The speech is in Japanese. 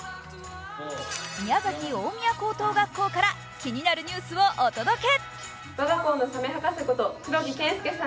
宮崎大宮高等学校から気になるニュースをお届け。